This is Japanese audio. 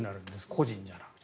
個人じゃなくて。